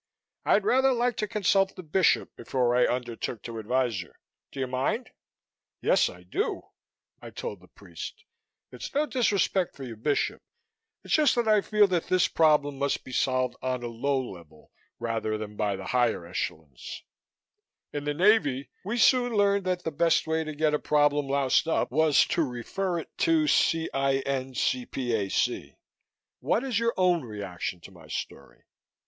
I'd rather like to consult the Bishop before I undertook to advise you. Do you mind?" "Yes, I do," I told the priest. "It's no disrespect for your bishop. It's just that I feel that this problem must be solved on a low level rather than by the higher echelons. In the Navy, we soon learned that the best way to get a problem loused up was to refer it to CINCPAC. What is your own reaction to my story?"